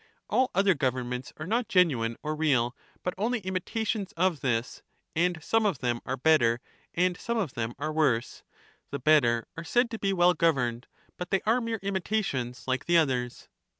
All other governments are not genuine or real, but only imitations of this, and some of them are better and some of them are worse ; the better are said to be well governed, but they are mere imitations like the others.